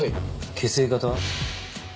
血液型は？